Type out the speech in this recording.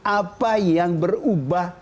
apa yang berubah